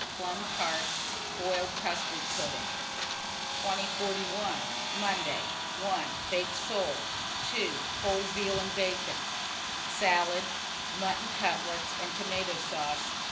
Plum tart, boiled custard pudding. 2051. Monday. 1. Baked soles. 2. Cold veal and bacon, salad, mutton cutlets and tomato sauce.